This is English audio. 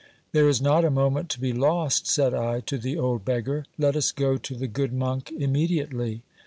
There is not a moment to be lost, said I to the old beggar ; let us go to the good monk immediately.